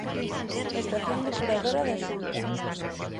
Estación depuradora da Xunta.